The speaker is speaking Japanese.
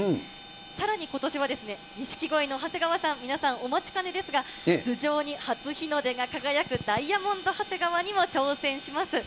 さらに今年はですね、錦鯉の長谷川さん、皆さんお待ちかねですが、頭上に初日の出が輝くダイヤモンド長谷川にも挑戦します。